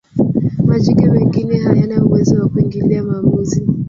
majike mengine hayana uwezo wa kuingilia maamuzi